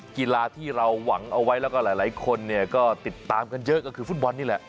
กีฬาที่เราหวังเอาไว้แล้วก็หลายคนเนี่ยก็ติดตามกันเยอะก็คือฟุตบอลนี่แหละ